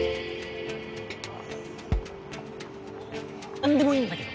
ほ何でもいいんだけど。